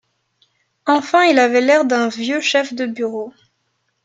Enfin il avait l’air d’un vieux chef de bureau.